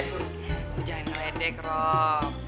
kamu jangan keledek rob